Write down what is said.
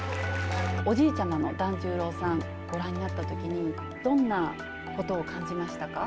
おじいちゃまの團十郎さん、ご覧になったときに、どんなことを感じましたか？